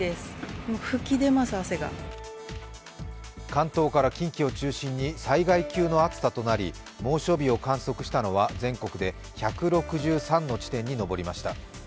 関東から近畿を中心に災害級の暑さとなり猛暑日を観測したのは全国で１６３の地点に上りました。